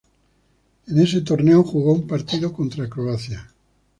En este torneo jugó un partido contra Croacia.